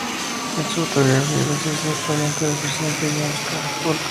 En su autobiografía decía ser pariente del presidente James K. Polk.